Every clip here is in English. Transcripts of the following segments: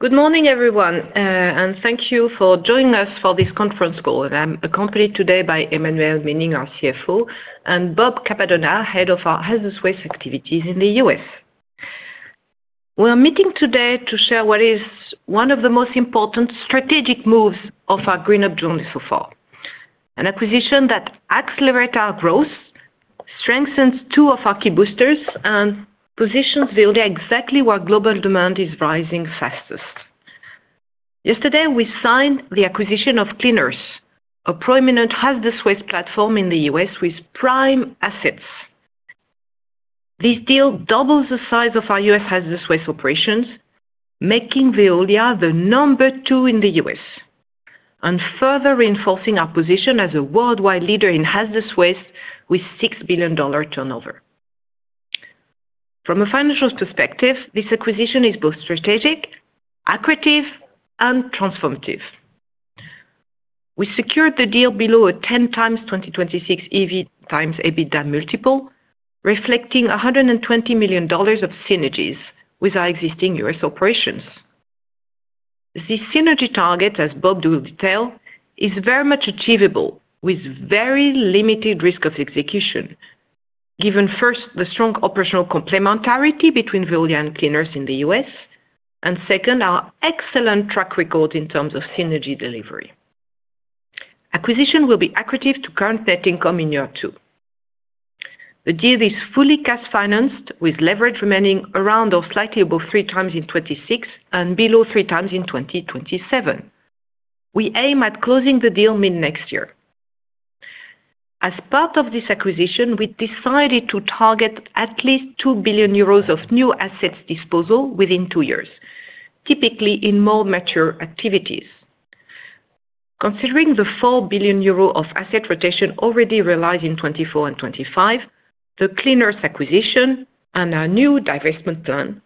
Good morning everyone and thank you for joining us for this conference call. I am accompanied today by Emmanuelle Menning, our CFO, and Bob Cappadona, Head of our hazardous waste activities in the U.S. We are meeting today to share what is one of the most important strategic moves of our GreenUp journey so far. An acquisition that accelerates our growth, strengthens two of our key boosters, and positions Veolia exactly where global demand is rising fastest. Yesterday we signed the acquisition of Clean Earth, a prominent hazardous waste platform in the U.S. with prime assets. This deal doubles the size of our U.S. hazardous waste operations, making Veolia the number two in the U.S. and further reinforcing our position as a worldwide leader in hazardous waste with $6 billion turnover. From a financial perspective, this acquisition is both strategic, accretive, and transformative. We secured the deal below a 10x 2026 EV/EBITDA multiple reflecting $120 million of synergies with our existing U.S. operations. The synergy target, as Bob will detail, is very much achievable with very limited risk of execution given, first, the strong operational complementarity between Veolia and Clean Earth in the U.S. and, second, our excellent track record in terms of synergy delivery. Acquisition will be accretive to current net income in year two. The deal is fully cash financed with leverage remaining around or slightly above 3x in 2026 and below 3x in 2027. We aim at closing the deal mid next year. As part of this acquisition, we decided to target at least 2 billion euros of new asset disposals within two years, typically in more mature activities, considering the 4 billion euro of asset rotation already realized in 2024 and 2025. The Clean Earth acquisition and our new divestment plan.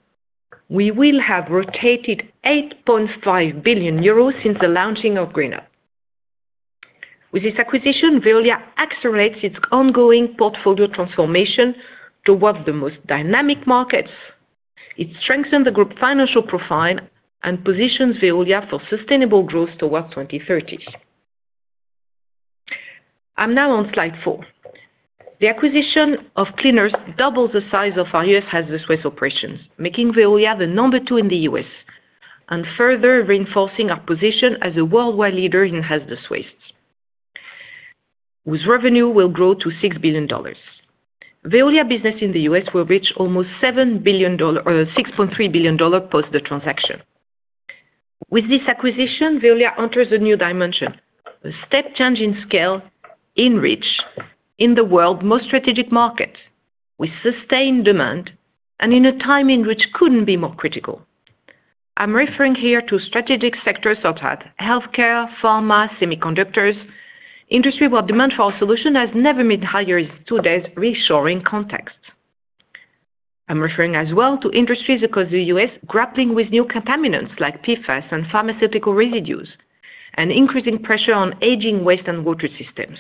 We will have rotated 8.5 billion euros since the launching of GreenUp. With this acquisition, Veolia accelerates its ongoing portfolio transformation towards the most dynamic markets. It strengthens the group financial profile and positions Veolia for sustainable growth towards 2030. I'm now on slide four. The acquisition of Clean Earth doubles the size of our U.S. hazardous waste operations, making Veolia the number two in the U.S. and further reinforcing our position as a worldwide leader in hazardous waste, whose revenue will grow to $6 billion. Veolia business in the U.S. will reach almost $6.3 billion post the transaction. With this acquisition, Veolia enters a new dimension. A step change in scale, in reach in the world's most strategic market, with sustained demand and in a time in which couldn't be more critical. I'm referring here to strategic sectors such as healthcare, pharma, semiconductors industry where demand for solution has never been higher in today's reshoring context. I'm referring as well to industries across the U.S. grappling with new contaminants like PFAS and pharmaceutical residues and increasing pressure on aging waste and water systems.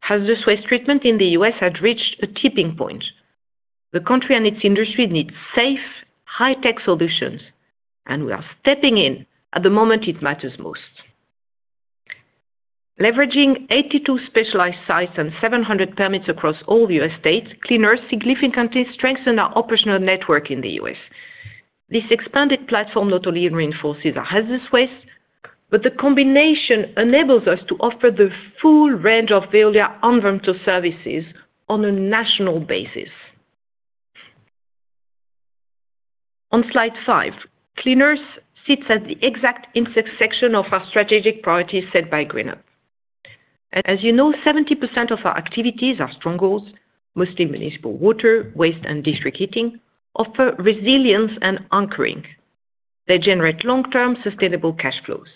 Hazardous waste treatment in the U.S. had reached a tipping point. The country and its industry need safe high tech solutions and we are stepping in at the moment it matters most. Leveraging 82 specialized sites and 700 permits across all U.S. states, Clean Earth significantly strengthen our operational network in the U.S. This expanded platform not only reinforces our hazardous waste, but the combination enables us to offer the full range of Veolia Environnement services on a national basis. On slide 5, Clean Earth sits at the exact intersection of our strategic priorities set by GreenUp. As you know, 70% of our activities are strongholds, mostly municipal water, waste, and district heating, offer resilience and anchoring. They generate long-term sustainable cash flows.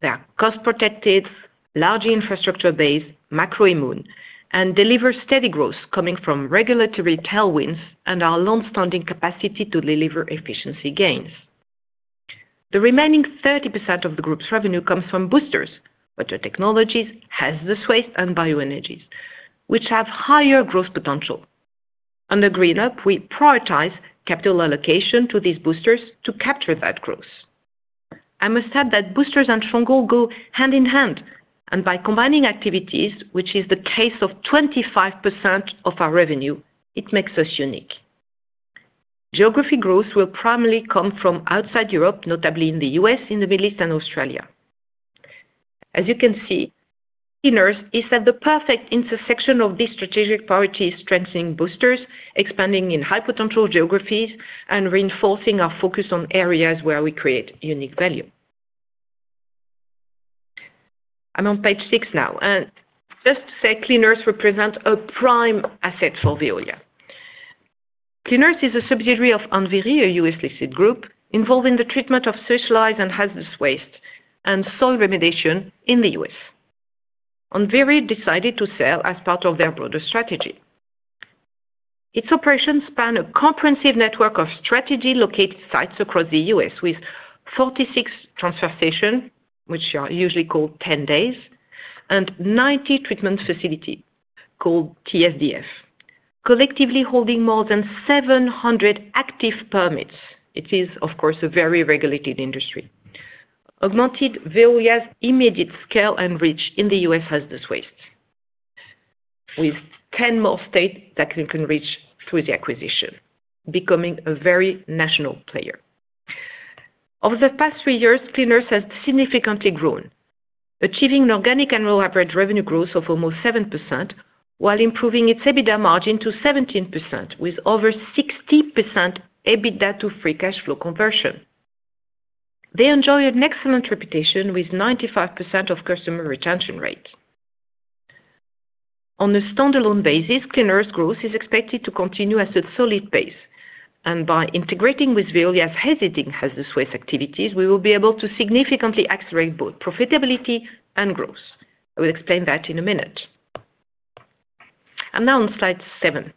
They are cost protected, large infrastructure based, macro immune, and deliver steady growth coming from regulatory tailwind and our long-standing capacity to deliver efficiency gains. The remaining 30% of the group's revenue comes from boosters, water technologies, hazardous waste, and bioenergies, which have higher growth potential. Under GreenUp, we prioritize capital allocation to these boosters to capture that growth. I must add that boosters and strongholds go hand in hand, and by combining activities, which is the case of 25% of our revenue, it makes us unique. Geographic growth will primarily come from outside Europe, notably in the U.S., in the Middle East, and Australia. As you can see, the perfect intersection of this strategic priority is strengthening boosters, expanding in high potential geographies, and reinforcing our focus on areas where we create unique value. I'm on page six now. Just to say, Clean Earth represents a prime asset for Veolia. Clean Earth is a subsidiary of Enviri, a U.S.-listed group involving the treatment of specialized and hazardous waste and soil remediation in the U.S. Enviri decided to sell as part of their broader strategy. Its operations span a comprehensive network of strategically located sites across the U.S. with 46 transfer stations, which are usually called 10 days, and 90 treatment facilities called TSDF, collectively holding more than 700 active permits. It is of course a very regulated industry. Augmented, Veolia's immediate scale and reach in the U.S. has the switch with 10 more states that you can reach through the acquisition, becoming a very national player. Over the past three years, Clean Earth has significantly grown, achieving organic annual average revenue growth of almost 7% while improving its EBITDA margin to 17%. With over 60% EBITDA to free cash flow conversion, they enjoy an excellent reputation with 95% of customer retention rate. On a standalone basis, Clean Earth's growth is expected to continue at a solid pace. By integrating with Veolia's hazardous waste activities, we will be able to significantly accelerate both profitability and growth. I will explain that in a minute. Now on Slide 7,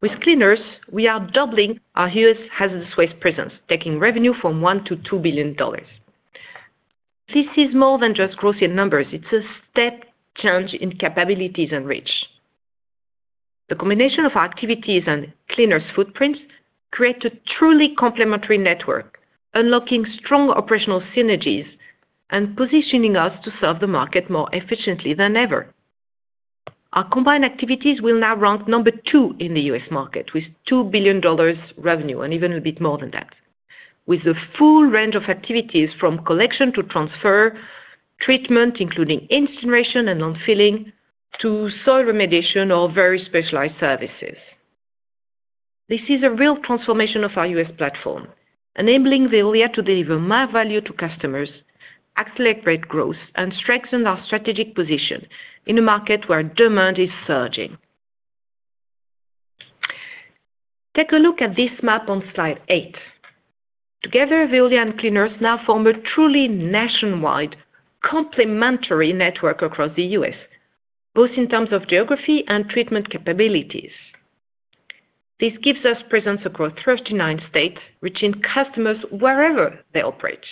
with Clean Earth, we are doubling our U.S. hazardous waste presence, taking revenue from $1 billion to $2 billion. This is more than just growth in numbers, it's a step change in capabilities and reach. The combination of activities and Clean Earth's footprints create a truly complementary network, unlocking strong operational synergies and positioning us to serve the market more efficiently than ever. Our combined activities will now rank number two in the U.S. market with $2 billion revenue and even a bit more than that with the full range of activities from collection to transfer treatment, including incineration and landfilling, to soil remediation or very specialized services. This is a real transformation of our U.S. platform, enabling Veolia to deliver more value to customers, accelerate great growth and strengthen our strategic position in a market where demand is surging. Take a look at this map on slide 8. Together, Veolia and Clean Earth now form a truly nationwide complementary network across the U.S., both in terms of geography and treatment capabilities. This gives us presence across 39 states, reaching customers wherever they operate.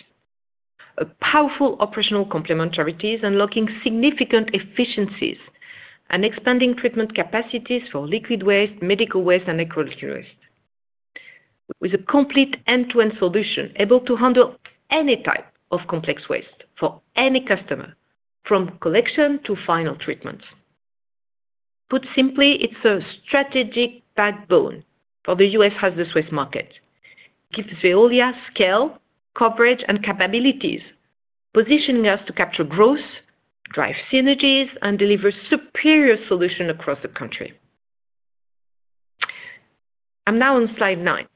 A powerful operational complementarity is unlocking significant efficiencies and expanding treatment capacities for liquid waste, medical waste, and ecological waste. With a complete end-to-end solution, able to handle any type of complex waste for any customer, from collection to final treatment. Put simply, it's a strategic backbone for the U.S. hazardous waste market. Gives Veolia scale, coverage, and capabilities, positioning us to capture growth, drive synergies, and deliver superior solutions across the country. I'm now on slide 9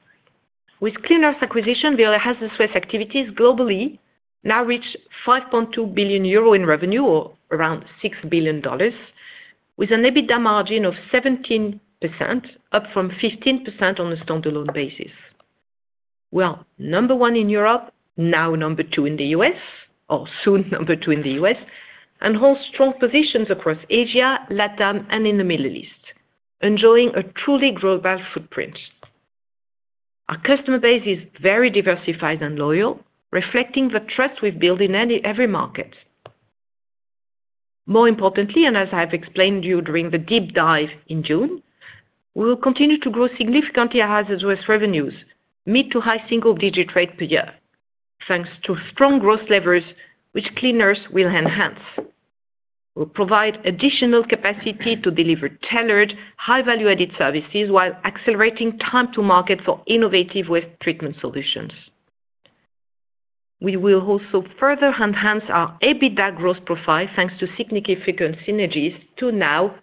with Clean Earth acquisition. The hazardous waste activities globally now reach 5.2 billion euro in revenue or around $6 billion with an EBITDA margin of 17%, up from 15% on a standalone basis. We are number one in Europe, now number two in the U.S. or soon number two in the U.S. and hold strong positions across Asia, LatAm and in the Middle East, enjoying a truly global footprint. Our customer base is very diversified and loyal, reflecting the trust we've built in every market. More importantly, and as I've explained you during the deep dive in June, we will continue to grow significantly at hazardous revenues mid to high single digit rate per year thanks to strong growth levers which Clean Earth will enhance. We provide additional capacity to deliver tailored high value added services while accelerating time to market for innovative waste treatment solutions. We will also further enhance our EBITDA growth profile thanks to significant synergies to now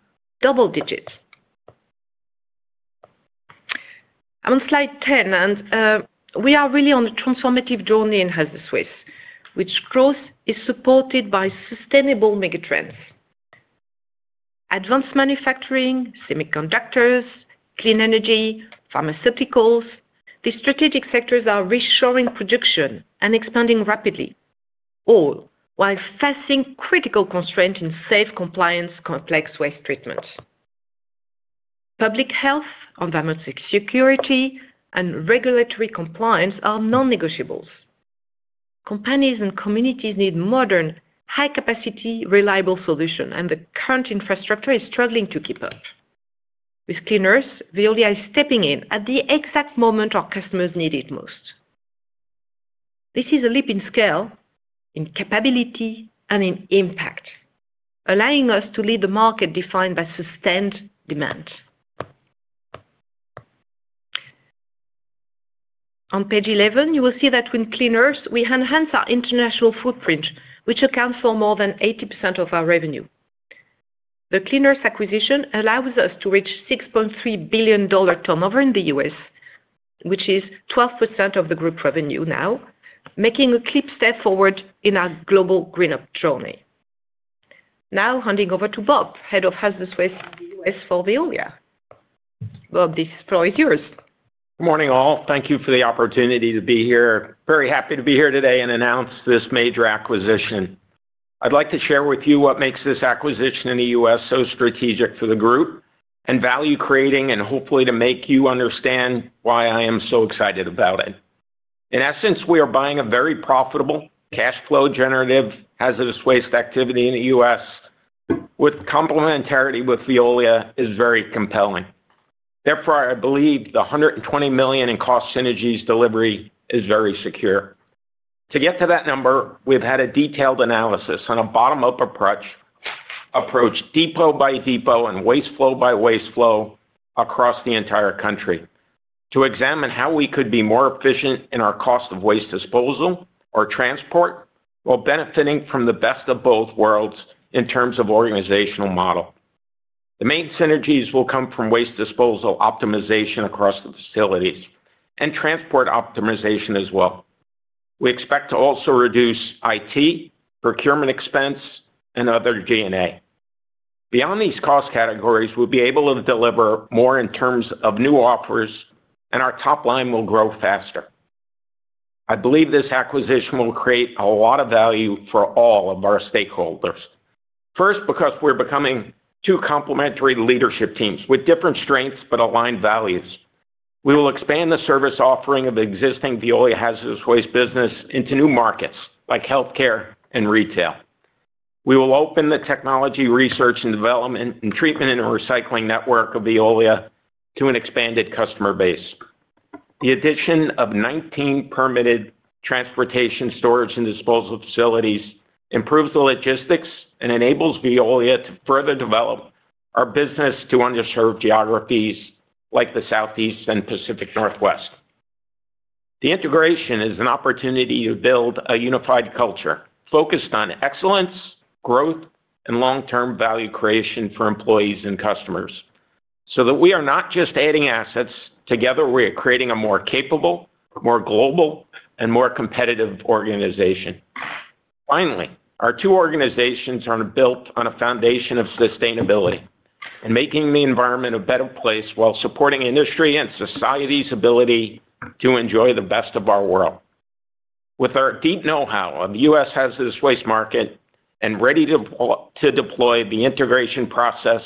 double digits on slide 10. We are really on a transformative journey in hazardous waste, which growth is supported by sustainable megatrends, advanced manufacturing, semiconductors, clean energy, pharmaceuticals. These strategic sectors are reshoring production and expanding rapidly, all while facing critical constraints in safe compliance. Complex waste treatment, public health, environment, security, and regulatory compliance are non-negotiables. Companies and communities need modern, high-capacity, reliable solutions, and the current infrastructure is struggling to keep up with Clean Earth. Veolia is stepping in at the exact moment our customers need it most. This is a leap in scale, in capability, and in impact, allowing us to lead the market defined by sustained demand. On page 11 you will see that with Clean Earth we enhance our international footprint, which accounts for more than 80% of our revenue. The Clean Earth acquisition allows us to reach $6.3 billion turnover in the U.S., which is 12% of the group revenue. Now making a clear step forward in our global GreenUp journey. Now handing over to Bob, Head of Hazardous Waste in the U.S. for Veolia. Bob, the floor is yours. Good morning all. Thank you for the opportunity to be here. Very happy to be here today and announce this major acquisition. I'd like to share with you what makes this acquisition in the U.S. so strategic for the group and value creating and hopefully to make you understand why I am so excited about it. In essence we are buying a very profitable cash flow generative hazardous waste activity in the U.S. with complementarity with Veolia is very compelling. Therefore I believe the $120 million in cost synergies delivery is very secure. To get to that number we've had a detailed analysis on a bottom up approach depot by depot and waste flow by waste flow across the entire country to examine how we could be more efficient in our cost of waste disposal or transportation while benefiting from the best of both worlds. In terms of organizational model. The main synergies will come from waste disposal optimization across the facilities and transport optimization as well. We expect to also reduce IT procurement expense and other G&A beyond these cost categories. We'll be able to deliver more in terms of new offers and our top line will grow faster. I believe this acquisition will create a lot of value for all of our stakeholders. First, because we're becoming two complementary leadership teams with different strengths but aligned values, we will expand the service offering of existing Veolia hazardous waste business into new markets like health care and retail. We will open the technology, research and development and treatment and recycling network of Veolia to an expanded customer base. The addition of 19 permitted transportation, storage and disposal facilities improves the logistics and enables Veolia to further develop our business to underserved geographies like the Southeast and Pacific Northwest. The integration is an opportunity to build a unified culture focused on excellence, growth and long term value creation for employees and customers so that we are not just adding assets together, we are creating a more capable, more global and more competitive organization. Finally, our two organizations are built on a foundation of sustainability and making the environment a better place while supporting industry and society's ability to enjoy the best of our world. With our deep know how of the U.S. hazardous waste market and ready to deploy the integration process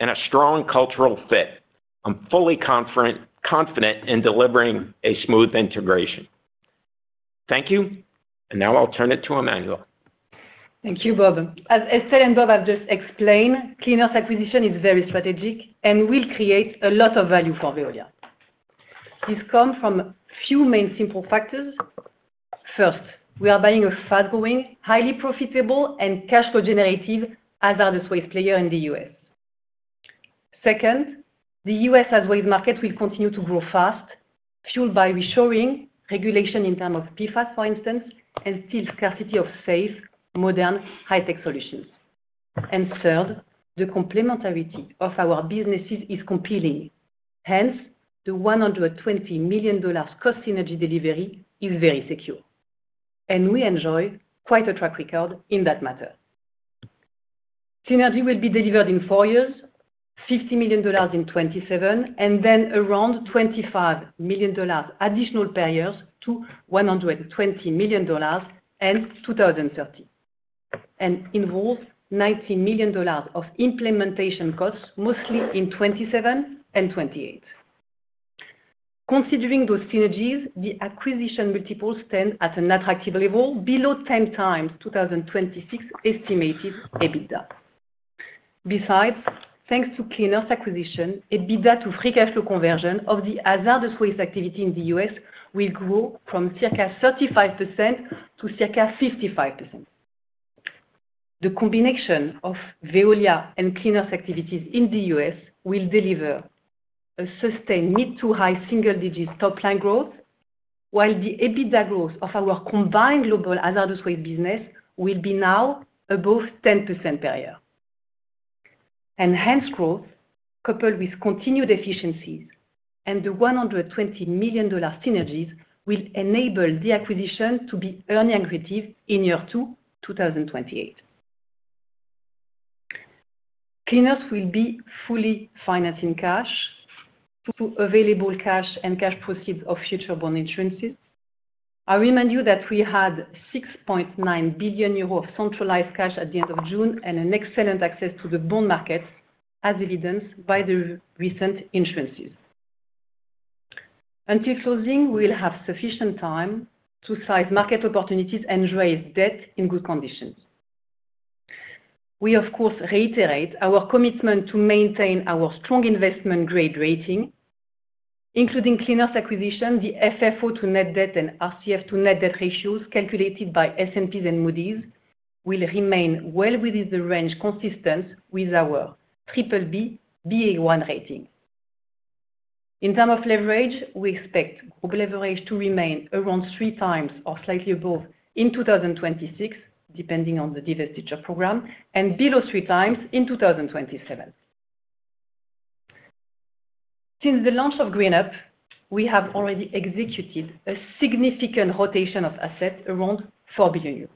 and a strong cultural fit, I'm fully confident in delivering a smooth integration. Thank you and now I'll turn it to Emmanuelle. Thank you, Bob. As Estelle and Bob have just explained, Clean Earth acquisition is very strategic and will create a lot of value for Veolia. This comes from a few main simple factors. First, we are buying a fast-growing, highly profitable, and cash flow generative, as are the Suez players in the U.S. Second, the U.S. hazardous waste market will continue to grow fast, fueled by reshoring regulation in terms of PFAS, for instance, and still scarcity of safe, modern, high-tech solutions. Third, the complementarity of our businesses is compelling, hence the $120 million cost. Synergy delivery is very secure, and we enjoy quite a track record in that matter. Synergy will be delivered in four years, $50 million in 2027 and then around $25 million. Additional barriers to $120 million in 2030 and involves $19 million of implementation costs, mostly in 2027 and 2028. Considering those synergies, the acquisition multiple stands at an attractive level below 10x 2026 estimated EBITDA. Besides, thanks to Clean Earth's acquisition, EBITDA to free cash flow conversion of the hazardous waste activity in the U.S. will grow from circa 35% to circa 55%. The combination of Veolia and Clean Earth activities in the U.S. will deliver a sustained mid to high single-digit top line growth while the EBITDA growth of our combined global hazardous waste business will be now above 10% per year. Enhanced growth coupled with continued efficiencies and the $120 million synergies will enable the acquisition to be earnings accretive in year two, 2028. Clean Earth will be fully financed in cash through available cash and cash proceeds of future bond issuances. I remind you that we had 6.9 billion euros of centralized cash at the end of June and an excellent access to the bond market as evidenced by the recent issuances. Until closing, we'll have sufficient time to size market opportunities and raise debt in good conditions. We of course reiterate our commitment to maintain our strong investment grade rating including Clean Earth's acquisition. The FFO to net debt and RCF to net debt ratios calculated by S&P and Moody's will remain well within the range consistent with our BBB/A-1 rating. In terms of leverage, we expect group leverage to remain around 3x or slightly above in 2026, depending on the divestiture program and below 3x in 2027. Since the launch of GreenUp, we have already executed a significant rotation of assets around 4 billion euros.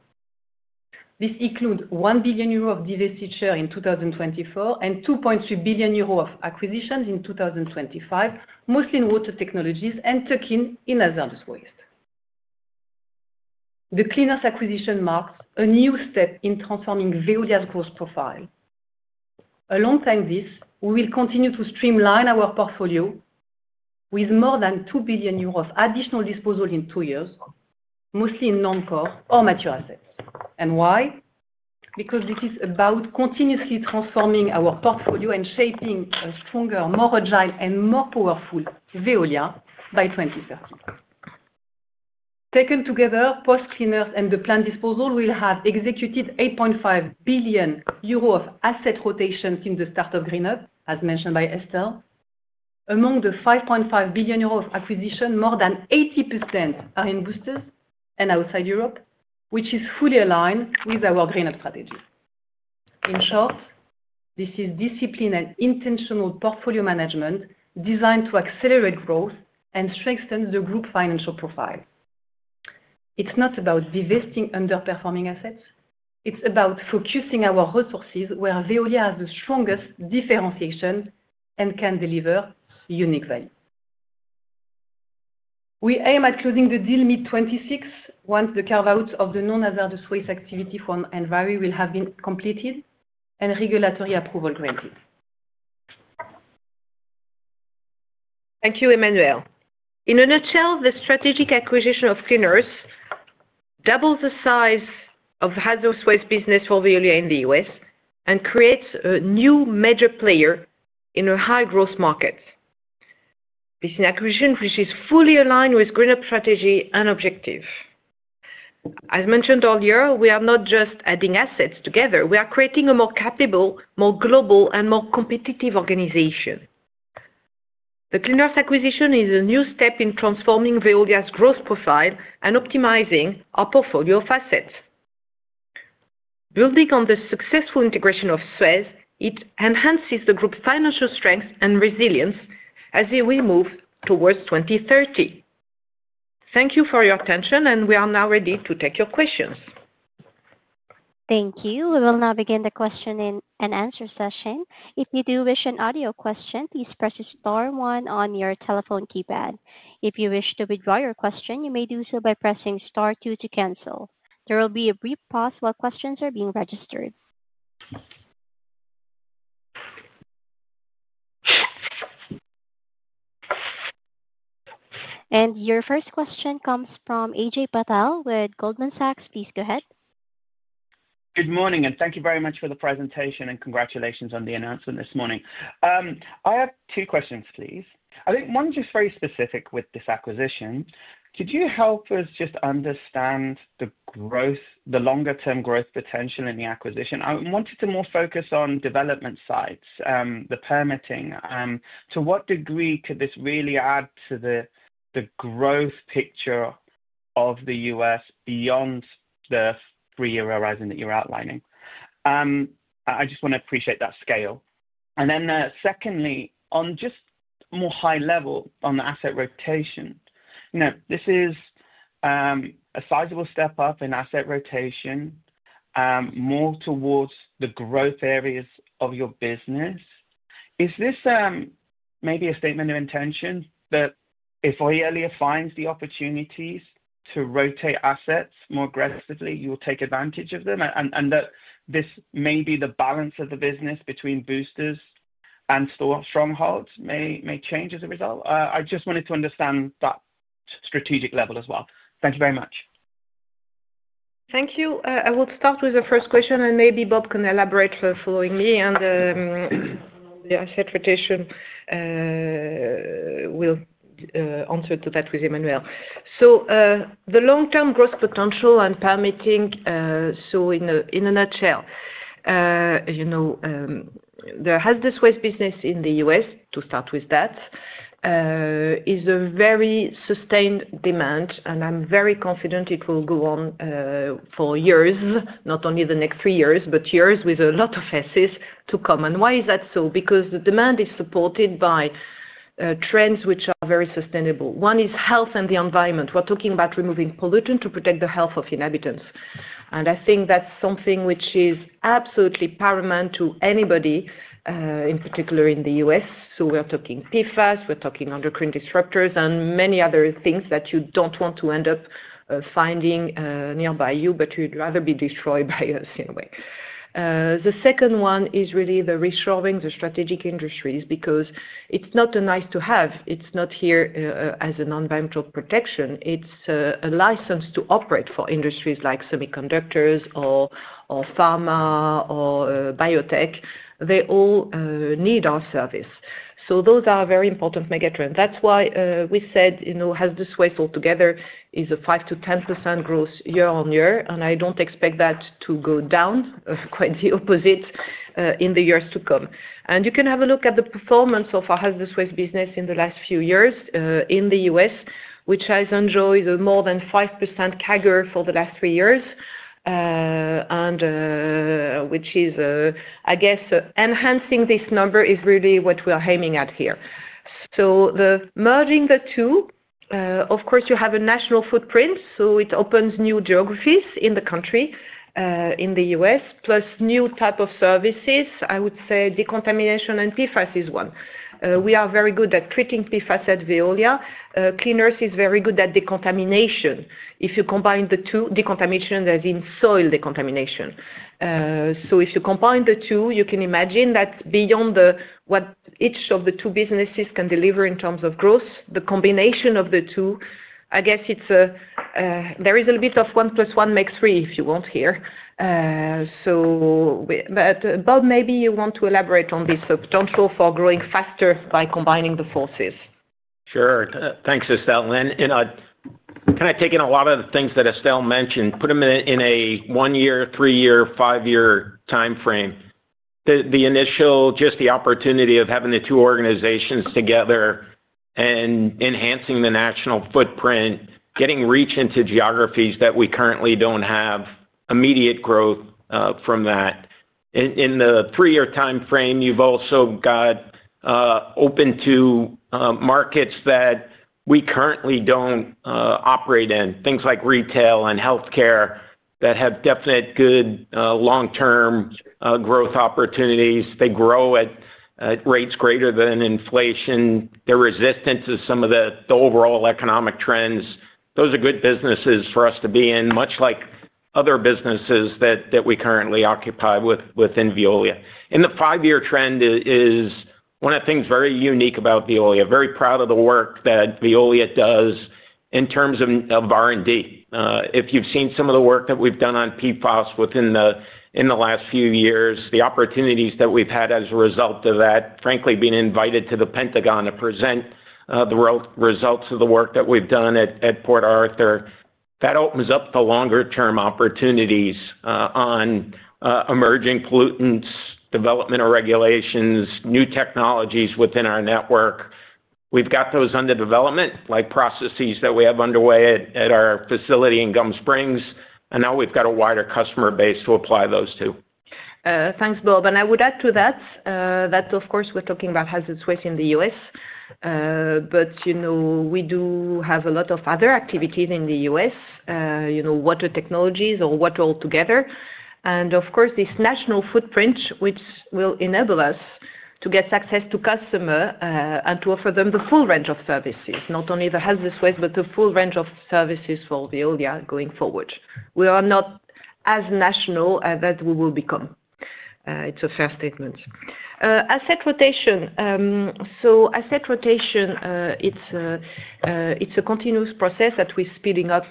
This includes 1 billion euros of delisted share in 2024 and 2.3 billion euros of acquisition in 2025, mostly in water technologies and tuck-in in hazardous waste. The Clean Earth acquisition marks a new step in transforming Veolia's growth profile. Alongside this, we will continue to streamline our portfolio with more than 2 billion euros additional disposal in two years, mostly in non-core or mature assets. Why? Because this is about continuously transforming our portfolio and shaping a stronger, more agile and more powerful Veolia. By 2030, taken together, post Clean Earth and the planned disposal, we will have executed 8.5 billion euro of asset rotation since the start of GreenUp. As mentioned by Estelle, among the 5.5 billion euros of acquisition, more than 80% are in boosters and outside Europe which is fully aligned with our GreenUp strategy. In short, this is disciplined and intentional portfolio management designed to accelerate growth and strengthen the group financial profile. It's not about divesting underperforming assets, it's about focusing our resources where Veolia has the strongest differentiation and can deliver unique value. We aim at closing the deal mid 2026 once the carve out of the non-hazardous waste activity from Enviri will have been completed and regulatory approval granted. Thank you Emmanuelle. In a nutshell, the strategic acquisition of Clean Earth doubles the size of hazardous waste business for Veolia in the U.S. and creates a new major player in a high growth market. This acquisition, which is fully aligned with Veolia's strategy and objectives as mentioned earlier, we are not just adding assets. Together we are creating a more capable, more global and more competitive organization. The Clean Earth acquisition is a new step in transforming Veolia's growth profile and optimizing our portfolio of assets. Building on the successful integration of Suez, it enhances the group's financial strength and resilience as we move towards 2030. Thank you for your attention and we are now ready to take your questions. Thank you. We will now begin the question and answer session. If you do wish an audio question, please press star one on your telephone keypad. If you wish to withdraw your question, you may do so by pressing star two to cancel. There will be a brief pause while questions are being registered. Your first question comes from Ajay Patel with Goldman Sachs. Please go ahead. Good morning and thank you very much for the presentation and congratulations on the announcement this morning. I have two questions, please. I think one just very specific with this acquisition. Could you help us just understand the growth, the longer term growth potential in the acquisition? I wanted to more focus on development sites, the permitting. To what degree could this really add to the growth picture of the U.S. beyond the three year horizon that you're outlining? I just want to appreciate that scale. And then secondly, on just more high level, on the asset rotation, this is a sizable step up in asset rotation, more towards the growth areas of your business. Is this maybe a statement of intention that if Veolia finds the opportunities to rotate assets more aggressively, you will take advantage of them and that this may be the balance of the business between boosters and strongholds may change as a result. I just wanted to understand that strategic level as well. Thank you very much. Thank you. I will start with the first question and maybe Bob can elaborate following me and on the asset rotation will answer to that with Emmanuelle. The long term growth potential and permitting. In a nutshell, you know, the hazardous waste business in the U.S. to start with, that is a very sustained demand and I'm very confident it will go on for years. Not only the next three years, but years with a lot of assets. Why is that so? Because the demand is supported by trends which are very sustainable. One is health and the environment. We're talking about removing pollutants to protect the health of inhabitants. I think that's something which is absolutely paramount to anybody in particular in the U.S. We're talking PFAS, we're talking endocrine disruptors and many other things that you don't want to end up finding nearby you, but you'd rather be destroyed by a sewage. The second one is really the reshoring, the strategic industries, because it's not nice to have. It's not here as an environmental protection. It's a license to operate for industries like semiconductors or pharma or biotech. They all need our service. Those are very important megatrends. That's why we said as the suite altogether is a 5%-10% growth year on year. I don't expect that to go down, quite the opposite, in the years to come. You can have a look at the performance of our hazardous waste business in the U.S. in the last few years, which has enjoyed more than 5% CAGR for the last three years, which is, I guess, enhancing this number is really what we are aiming at here. Merging the two, of course, you have a national footprint, so it opens new geographies in the country, in the U.S., plus new types of services. I would say decontamination and PFAS is one we are very good at treating PFAS at Veolia, Clean Earth is very good at decontamination. If you combine the two, decontamination as in soil decontamination. If you combine the two, you can imagine that beyond what each of the two businesses can deliver in terms of growth, the combination of the two, I guess there is a little bit of one plus one makes three if you want here. Bob, maybe you want to elaborate on this potential for growing faster by combining the forces. Sure. Thanks Estelle. Kind of taking a lot of the things that Estelle mentioned, put them in a one year, three year, five year timeframe. The initial, just the opportunity of having the two organizations together and enhancing the national footprint, getting reach into geographies that we currently do not have, immediate growth from that in the three year timeframe. You have also got open to markets that we currently do not operate in. Things like retail and healthcare that have definite good long term growth opportunities. They grow at rates greater than inflation. They are resistant to some of the overall economic trends. Those are good businesses for us to be in, much like other businesses that we currently occupy within Veolia. The five year trend is one of the things very unique about Veolia. Very proud of the work that Veolia does in terms of R&D. If you've seen some of the work that we've done on PFAS within the last few years, the opportunities that we've had as a result of that, frankly being invited to the Pentagon to present the results of the work that we've done at Port Arthur, that opens up the longer term opportunities on emerging pollutants, developmental regulations, new technologies within our network. We've got those under development like processes that we have underway at our facility in Gum Springs. Now we've got a wider customer base to apply those to. Thanks, Bob. I would add to that that of course we're talking about hazardous waste in the U.S., but you know, we do have a lot of other activities in the U.S., you know, water technologies or water altogether. Of course, this national footprint will enable us to get access to customers and to offer them the full range of services. Not only the hazardous waste, but the full range of services for Veolia going forward. We are not as national as we will become. It's a fair statement. Asset rotation. Asset rotation is a continuous process that we're speeding up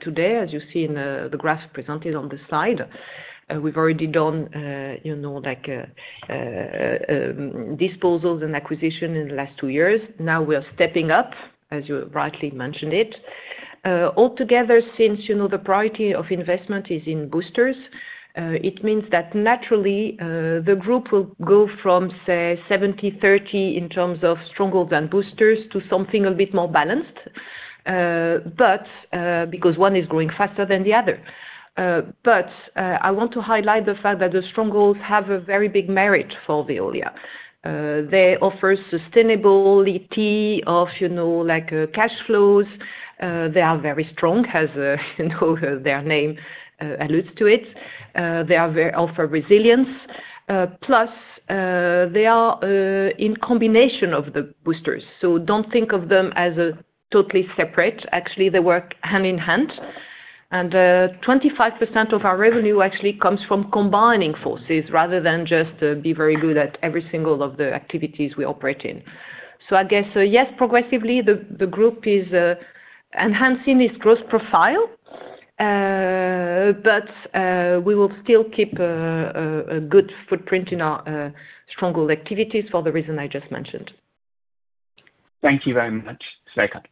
today. As you see in the graph presented on the slide, we've already done disposals and acquisitions in the last two years. Now we are stepping up, as you rightly mentioned it, altogether since, you know, the priority of investment is in boosters. It means that naturally the group will go from say 70/30 in terms of strongholds and boosters to something a bit more balanced, but because one is growing faster than the other. I want to highlight the fact that the strongholds have a very big merit for Veolia. They offer sustainability of, you know, like cash flows. They are very strong as their name alludes to it. They offer resilience. Plus they are in combination with the boosters. Do not think of them as totally separate. Actually they work hand in hand and 25% of our revenue actually comes from combining forces rather than just be very good at everything of the activities we operate in. I guess, yes, progressively the group is enhancing its growth profile, but we will still keep a good footprint in our stronghold activities for the reason I just mentioned. Thank you very much, Estelle.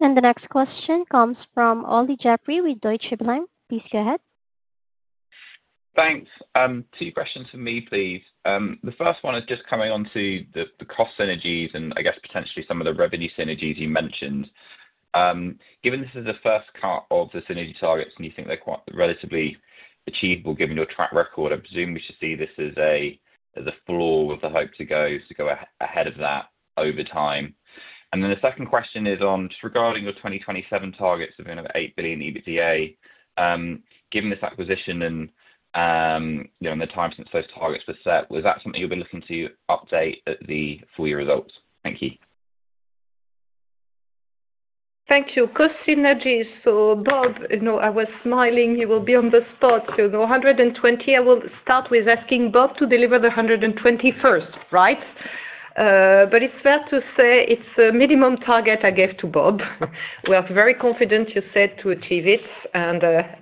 The next question comes from Olly Jeffery with Deutsche Bank. Please go ahead. Thanks. Two questions for me, please. The first one is just coming onto the cost synergies and I guess potentially some of the revenue synergies you mentioned, given this is the first cut of the synergy targets and you think they're quite relatively achievable given your track record, I presume we should see this as a floor with the hope to go ahead of that over time. The second question is on just regarding the 2027 targets of $8 billion EBITDA. Given this acquisition and the time since those targets were set, was that something you'll be looking to update at the full year results? Thank you. Thank you. Cost synergies. Bob, I was smiling. He will be on the spot. 120. I will start with asking Bob to deliver the 121st. Right. It is fair to say it's the. Minimum target I gave to Bob. We are very confident, you said, to achieve it.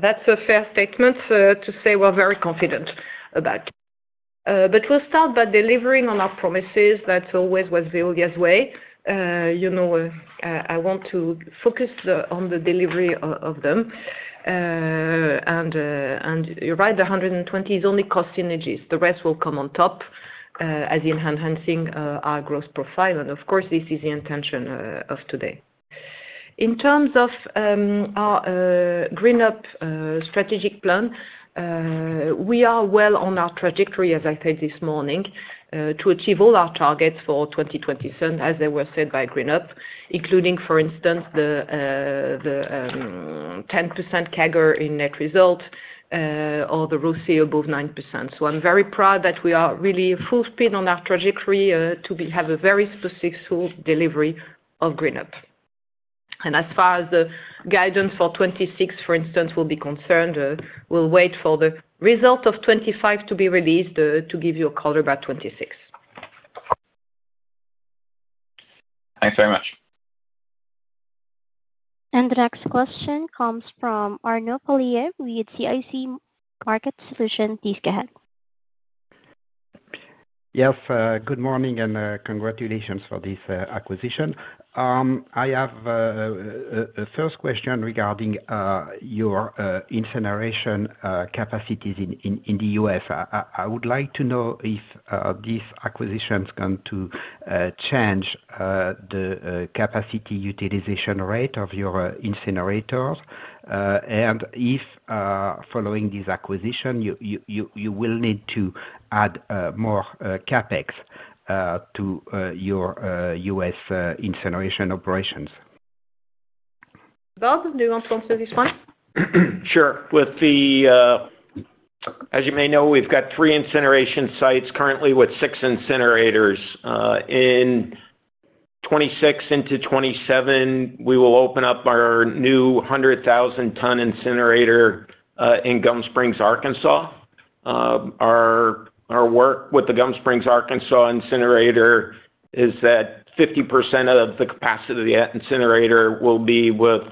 That's a fair statement to say we're very confident about. We'll start by delivering on our promises. That always was Veolia's way, you know. I want to focus on the delivery of them. You're right, the 120 is only cost synergies. The rest will come on top as in enhancing our growth profile. Of course, this is the intention of today in terms of our GreenUp strategic plan. We are well on our trajectory, as I said this morning, to achieve all our targets for 2027 as they were set by GreenUp, including, for instance, the 10% CAGR in net result or the ROSI above 9%. I'm very proud that we are really full speed on our trajectory to have a very successful delivery of GreenUp. As far as the guidance for 2026 for instance will be concerned, we'll wait for the result of 2025 to be released to give you a call about 2026. Thanks very much. The next question comes from Arnaud Palliez with CIC Market Solutions. Please go ahead. Yes, good morning and congratulations for this acquisition. I have a first question regarding your incineration capacities in the U.S.. I would like to know if this acquisition is going to change the capacity utilization rate of your incinerator and if following this acquisition you will need to add more CapEx to your U.S. incineration operations. Bob, do you want to answer this one? Sure. As you may know, we've got three incineration sites currently with six incinerators. In 2026 into 2027, we will open up our new 100,000 ton incinerator in Gum Springs, Arkansas. Our work with the Gum Springs, Arkansas incinerator is that 50% of the capacity of the incinerator will be with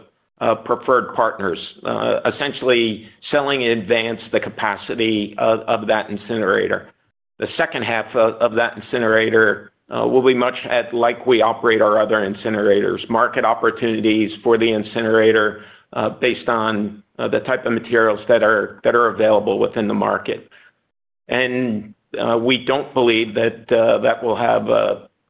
preferred partners, essentially selling in advance the capacity of that incinerator. The second half of that incinerator will be much like we operate our other incinerators. Market opportunities for the incinerator based on the type of materials that are available within the market. We don't believe that that will have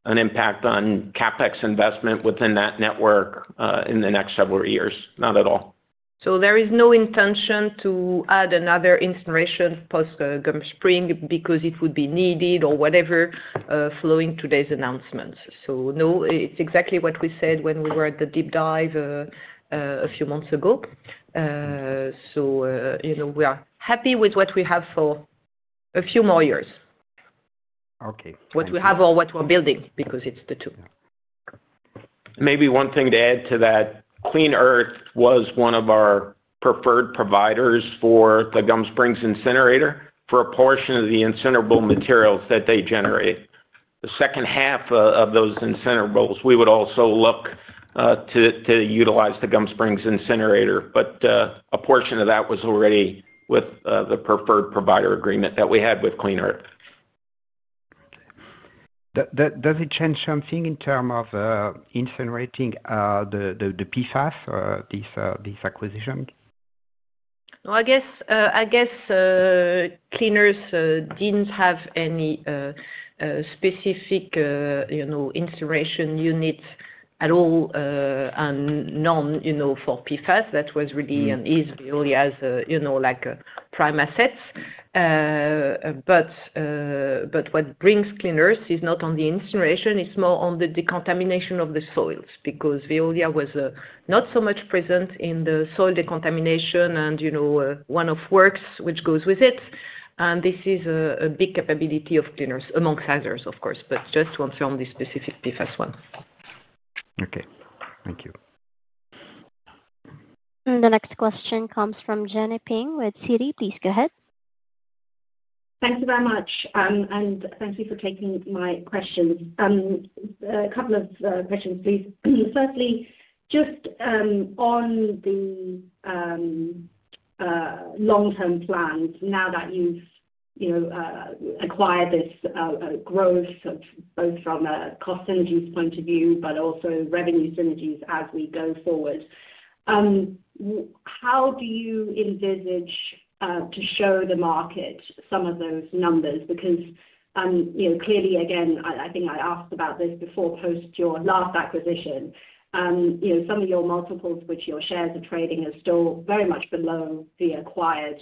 an impact on CapEx investment within that network in the next several years. Not at all. There is no intention to add another installation post Gum Springs because it would be needed or whatever following today's announcements. It is exactly what we said when we were at the deep dive a few months ago. You know, we are happy with what we have for a few more years. Okay. What we have or what we're building, because it's the two. Maybe one thing to add to that. Clean Earth was one of our preferred providers for the Gum Springs incinerator for a portion of the incinerable materials that they generate. The second half of those incinerables we would also look at to utilize the Gum Springs incinerator. A portion of that was already with the preferred provider agreement that we had with Clean Earth. Does it change something in terms of incinerating the PFAS this acquisition? I guess Clean Earth didn't have any specific incineration units at all. None. You know, for PFAS that was really easy as, you know, like prime assets. What brings Clean Earth is not on the incineration, it's more on the decontamination of the soils because Veolia was not so much present in the soil decontamination and, you know, one of works which goes with it. This is a big capability of Clean Earth among sizes, of course. Just to confirm this specific 51st one. Okay, thank you. The next question comes from Jenny Ping with Citi. Please go ahead. Thank you very much and thank you for taking my questions. A couple of questions please. Firstly, just on the long term plans, now that you've acquired this growth, both from a cost synergies point of view, but also revenue synergies as we go. Forward. How do you envisage to show the market some of those numbers? Because clearly, again, I think I asked about this before. Post your last acquisition, some of your multiples which your shares are trading is still very much below the acquired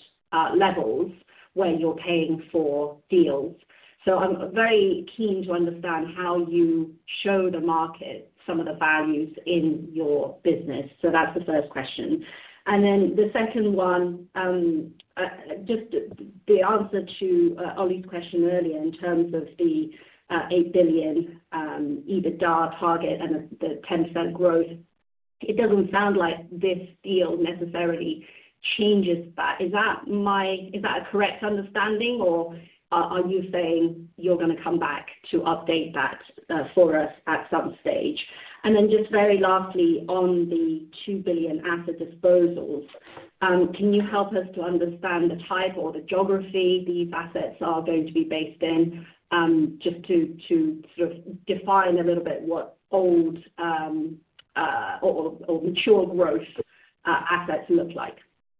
levels where you're paying for deals. I am very keen to understand how you show the market some of the values in your business. That is the first question. The second one, just the answer to Olly's question earlier. In terms of the $8 billion EBITDA target and the 10% growth, it does not sound like this deal necessarily changes that. Is that a correct understanding or are you saying you are going to come back to update that for us at some stage? Just very lastly on the $2 billion asset disposals, can you help us to understand the type or the geography these assets are going to be based in? Just to sort of define a little bit what old or mature growth assets look like.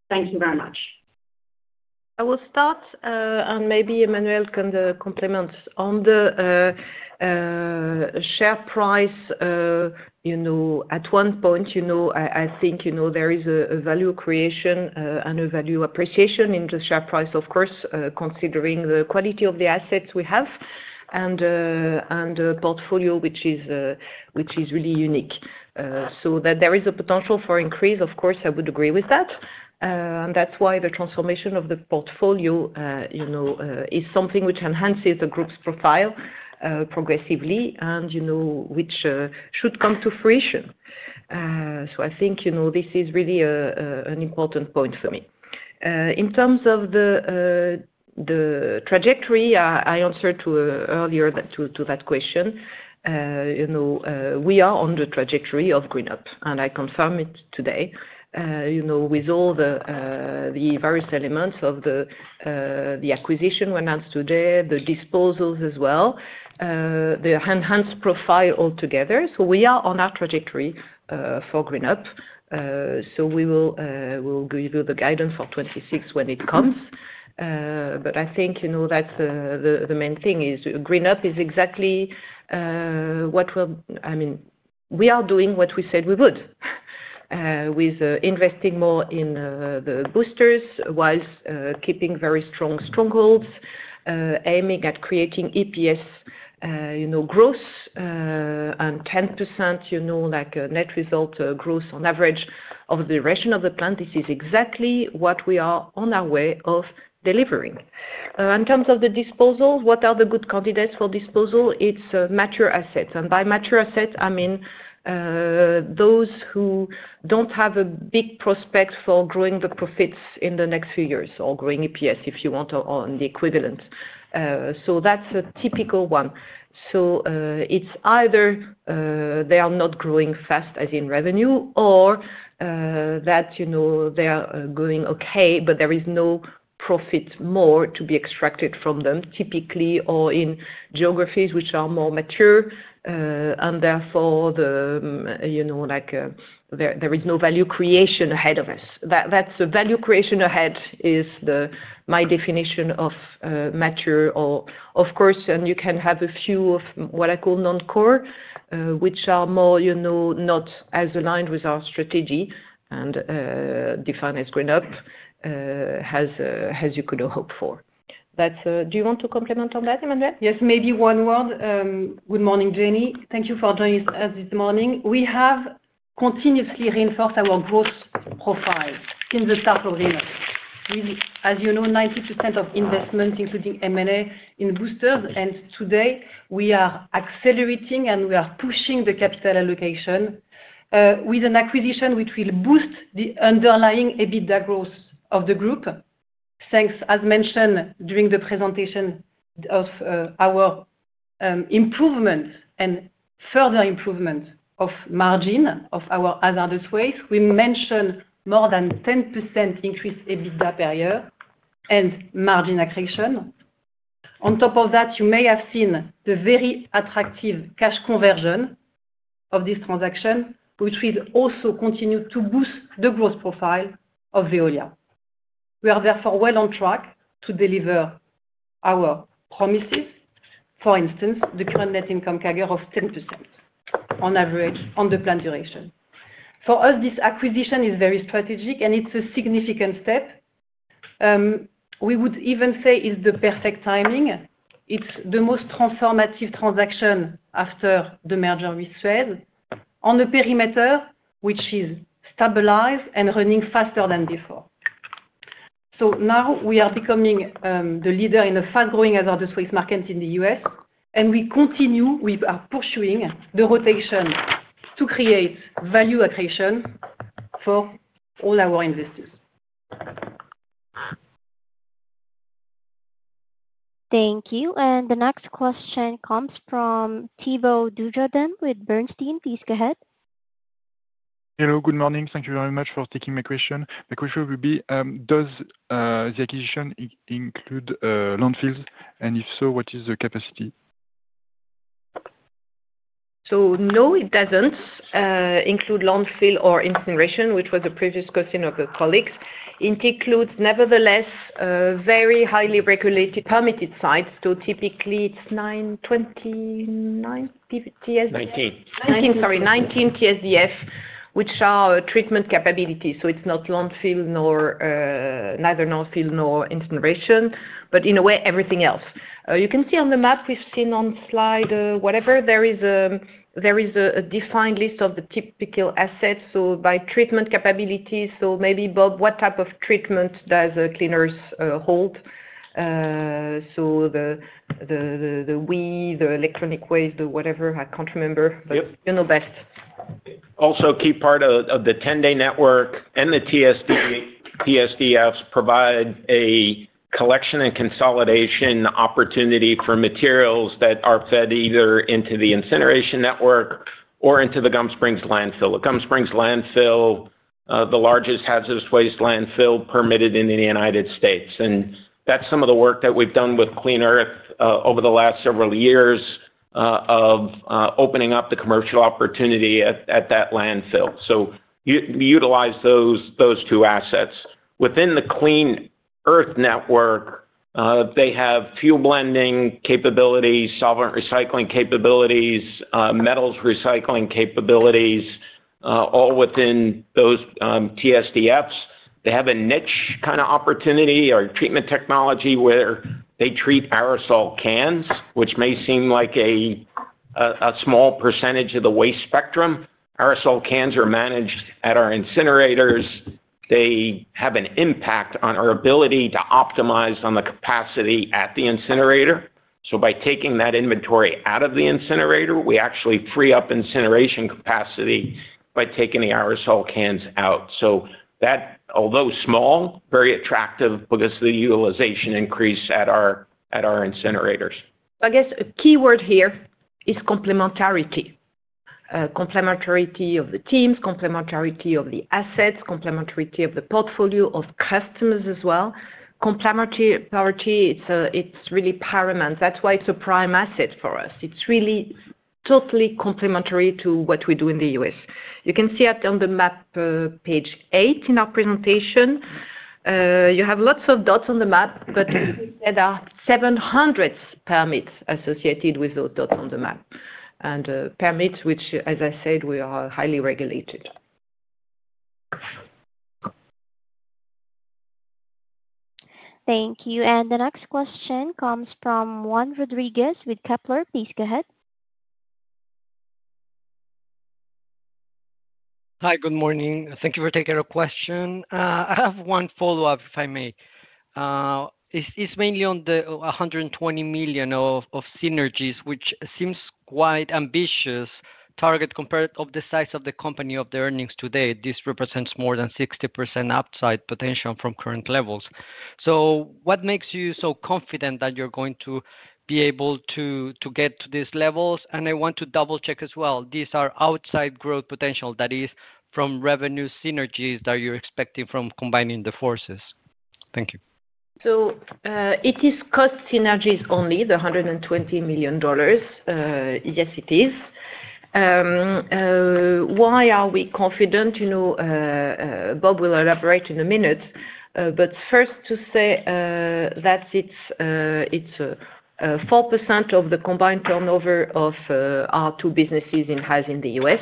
Thank you very much. I will start and maybe Emmanuelle can. Compliment on the. Share price at one point. I think there is a value creation and a value appreciation in the share price. Of course, considering the quality of the assets we have and a portfolio which is really unique so that there is a potential for increase. Of course I would agree with that. That's why the transformation of the portfolio is something which enhances the group's profile progressively and which should come to fruition. I think this is really an important point for me in terms of the trajectory I answered earlier to that question. You know, we are on the trajectory of GreenUp and I confirm it today, you know, with all the various elements of the acquisition announced today, the disposals as well, the enhanced profile altogether. We are on our trajectory for GreenUp. We will give you the guidance for 2026 when it comes. I think, you know, that's the main thing is GreenUp is exactly what will. I mean we are doing what we said we would with investing more in the boosters while keeping very strong strongholds, aiming at creating EPS growth and 10% net result on average over the duration of the plan. This is exactly what we are on our way of delivering. In terms of the disposals, what are the good candidates for disposal? It's mature assets. By mature assets I mean those who do not have a big prospect for growing the profits in the next few years or growing EPS if you want on the equivalent. That's a typical one. It is either they are not growing fast as in revenue or that they are going okay, but there is no profit more to be extracted from them typically or in geographies which are more mature and therefore there is no value creation ahead of us. That value creation ahead is my definition of mature of course. You can have a few of what I call non core which are more not as aligned with our strategy and define as GreenUp as you could hope for. Do you want to compliment on that, Emmanuelle? Yes, maybe one word. Good morning Jenny, thank you for joining us this morning. We have continuously reinforced our growth profile in the tarpaulin, as you know, 90% of investment including M&A in boosters. Today we are accelerating and we are pushing the capital allocation with an acquisition which will boost the underlying EBITDA growth of the group. Thanks. As mentioned during the presentation of our improvement and further improvement of margin of our hazardous waste. We mentioned more than 10% increased EBITDA per year and margin accretion. On top of that, you may have seen the very attractive cash conversion of this transaction, which will also continue to boost the growth profile of Veolia. We are therefore well on track to deliver our promises. For instance, the current net income CAGR of 10% on average on the plan duration. For us, this acquisition is very strategic and it's a significant step. We would even say it is the perfect timing. It's the most transformative transaction after the merger with Suez on the perimeter, which is stabilized and running faster than before. Now we are becoming the leader in a fast growing hazardous waste market in the U.S. and we continue, we are pursuing the rotation to create value creation for all our investors. Thank you. The next question comes from Thibault Dujardin with Bernstein. Please go ahead. Hello, good morning. Thank you very much for taking my question. The question will be, does the acquisition include landfills and if so, what is the capacity? No, it doesn't include landfill or incineration, which was a previous question of the colleagues. It includes nevertheless very highly regulated permitted sites. Typically it's nine, 29? 19. 19 TSDF which are treatment capabilities. It's not landfill, neither landfill nor incineration. In a way, everything else you can see on the map we've seen on slide whatever, there is a defined list of the typical assets by treatment capabilities. Maybe Bob, what type of treatment does Clean Earth hold? The weed, the electronic waste, the whatever, I can't remember, but you know best. Also key part of the 10 day network. The TSDFs provide a collection and consolidation opportunity for materials that are fed either into the incineration network or into the Gum Springs landfill. The Gum Springs landfill, the largest hazardous waste landfill permitted in the United States. That's some of the work that we've done with Clean Earth over the last several years of opening up the commercial opportunity at that landfill. Utilize those two assets. Within the Clean Earth network, they have fuel blending capabilities, solvent recycling capabilities, metals recycling capabilities. All within those TSDFs, they have a niche kind of opportunity or treatment technology where they treat aerosol cans, which may seem like a small percentage of the waste spectrum. Aerosol cans are managed at our incinerators. They have an impact on our ability to optimize on the capacity at the incinerator. By taking that inventory out of the incinerator, we actually free up incineration capacity by taking the aerosol cans out. So that, although small, is very attractive because the utilization increases at our incinerators. I guess a key word here is complementarity. Complementarity of the teams, complementarity of the assets, complementarity of the portfolio of customers as well. Complementary. It's really paramount. That's why it's a prime asset for us. It's really totally complementary to what we do in the U.S. You can see it on the map, page eight in our presentation. You have lots of dots on the map, but there are 700 permits associated with those dots on the map and permits which as I said, we are highly regulated. Thank you. The next question comes from Juan Rodriguez with Kepler. Please go ahead. Hi, good morning. Thank you for taking a question. I have one follow up, if I may. It's mainly on the $120 million of synergies which seems quite ambitious target compared to the size of the company, of the earnings today, this represents more than 60% upside potential from current levels. What makes you so confident that you're going to be able to get to these levels? I want to double check as well. These are outside growth potential, that is from revenue synergies that you're expecting from combining the forces. Thank you. It is cost synergies, only the $120 million? Yes, it is. Why are we confident? You know, Bob will elaborate in a minute. First to say that it's 4% of the combined turnover of our two businesses it has in the U.S.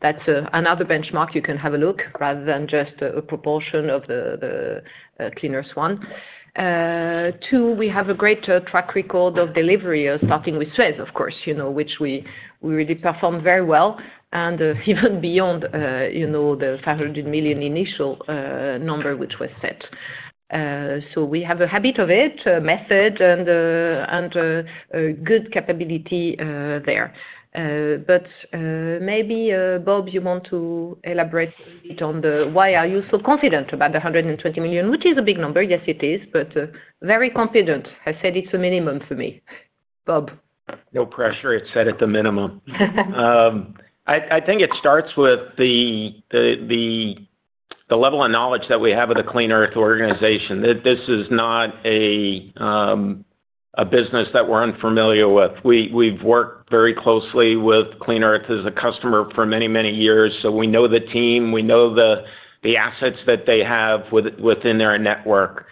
that's another benchmark. You can have a look rather than just a proportion of the Clean Earth's one. Two, we have a greater track record of delivery, starting with Suez of course, which we really performed very well. Even beyond the $500 million initial number which was set. We have a habit of it, method and good capability there. Maybe Bob, you want to elaborate on the why are you so confident about the $120 million, which is a big number. Yes, it is, but very confident. I said it's a minimum for me, Bob? No pressure. It's set at the minimum. I think it starts with the. The level of knowledge that we have of the Clean Earth organization. This is not a business that we're unfamiliar with. We've worked very closely with Clean Earth as a customer for many, many years. We know the team, we know the assets that they have within their network.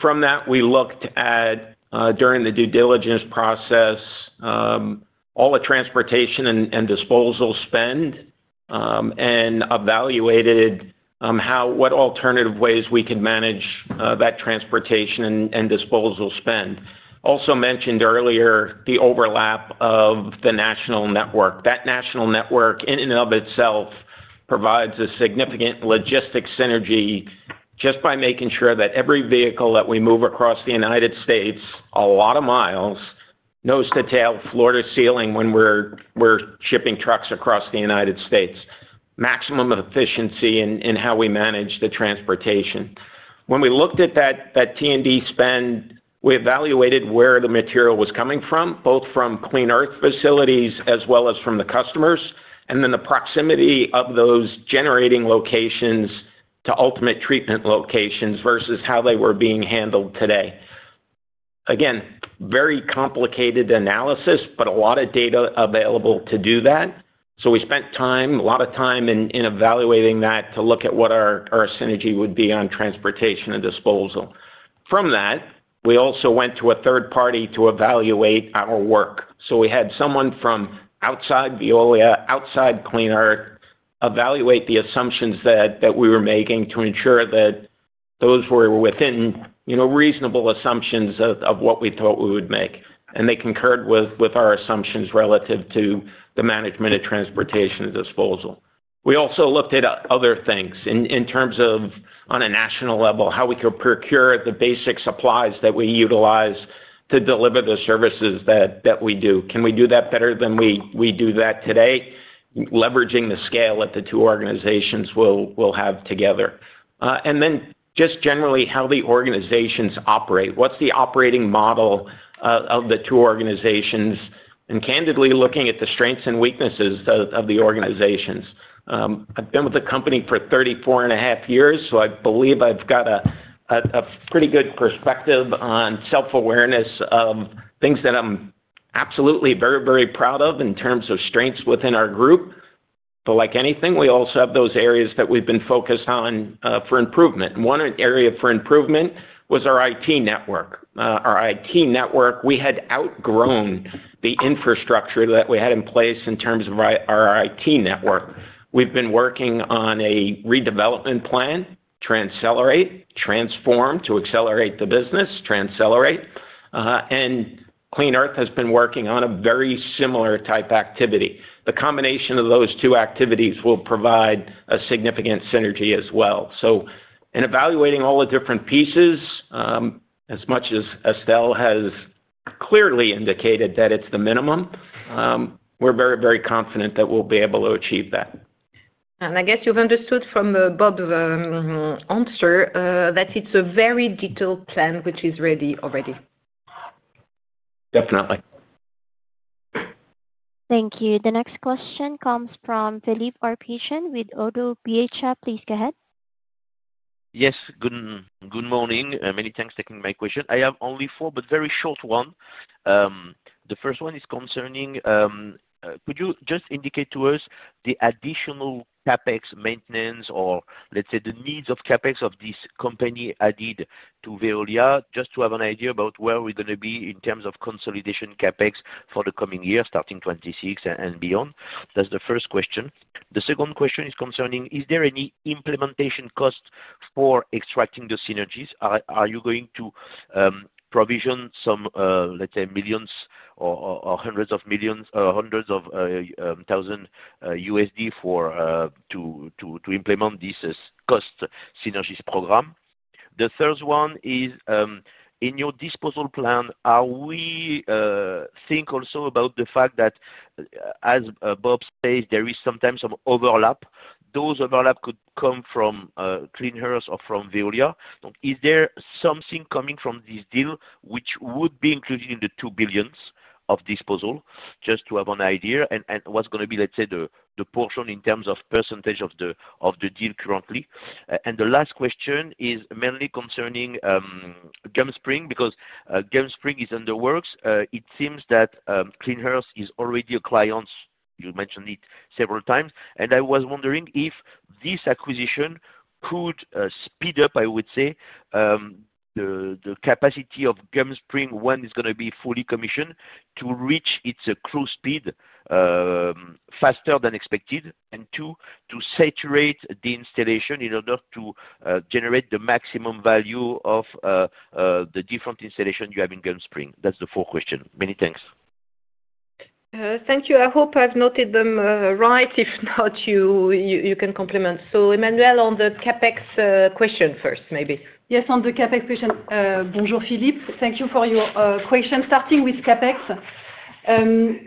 From that we looked at during the due diligence process, all the transportation and disposal spend and evaluated what alternative ways we could manage that transportation and disposal spend. Also mentioned earlier, the overlap of the national network. That national network in and of itself provides a significant logistics synergy. Just by making sure that every vehicle that we move across the United States, a lot of miles, nose to tail, floor to ceiling, when we're shipping trucks across the United States, maximum efficiency in how we manage the transportation. When we looked at that T&D spend, we evaluated where the material was coming from, both from Clean Earth facilities as well as from the customers. The proximity of those generating locations to ultimate treatment locations versus how they were being handled today, again, very complicated analysis, but a lot of data available to do that. We spent time, a lot of time in evaluating that to look at what our synergy would be on transportation and disposal. From that we also went to a third party to evaluate our work. We had someone from outside Veolia, outside Clean Earth, evaluate the assumptions that we were making to ensure that those were within reasonable assumptions of what we thought we would make. They concurred with our assumptions relative to the management of transportation disposal. We also looked at other things in terms of, on a national level, how we could procure the basic supplies that we utilize to deliver the services that we do. Can we do that better than we do that today? Leveraging the scale that the two organizations will have together and then just generally how the organizations operate, what's the operating model of the two organizations? Candidly looking at the strengths and weaknesses of the organizations. I've been with the company for 34.5 years, so I believe I've got a pretty good perspective on self awareness of things that I'm absolutely, very, very proud of in terms of strengths within our group. Like anything, we also have those areas that we've been focused on for improvement. One area for improvement was our IT network. Our IT network, we had outgrown the infrastructure that we had in place. In terms of our IT network, we've been working on a redevelopment plan, transcelerate transform, to accelerate the business. Transcelerate and Clean Earth has been working on a very similar type activity. The combination of those two activities will provide a significant synergy as well. In evaluating all the different pieces, as much as Estelle has clearly indicated that it's the minimum, we're very, very confident that we'll be able to achieve that. I guess you've understood from Bob's answer that it's a very detailed plan which is ready already. Definitely. Thank you. The next question comes from Philippe Ourpatian with ODDO BHF. Please go ahead. Yes, good morning. Many thanks. Taking my question, I have only four but very short one. The first one is concerning. Could you just indicate to us the additional CapEx maintenance or let's say the needs of CapEx of this company added to Veolia. Just to have an idea about where we're going to be in terms of consolidation CapEx for the coming year starting 2026 and beyond. That's the first question. The second question is concerning. Is there any implementation cost for extracting the synergies? Are you going to provision some, let's say millions or hundreds of millions, hundreds of thousand USD to implement this cost synergies program? The third one is in your disposal plan. Are we think also about the fact that as Bob says there is sometimes some overlap. Those overlaps could come from Clean Earth or from Veolia. Is there something coming from this deal which would be included in the $2 billion of disposal? Just to have an idea and what's going to be, let's say, the portion in terms of percentage of the deal currently. The last question is mainly concerning Gum Springs because Gum Springs is under works. It seems that Clean Earth is already a client. You mentioned it several times and I was wondering if this acquisition could speed up, I would say, the capacity of Gum Springs, one, is going to be fully commissioned to reach its close speed faster than expected and, two, to saturate the installation in order to generate the maximum value of the different installation you have in Gum Springs. That's the fourth question. Many thanks. Thank you. I hope I've noted them right. If not, you can compliment. Emmanuelle, on the CapEx question first. Maybe? Yes, on the CapEx question. Bonjour Philippe. Thank you for your question starting with CapEx.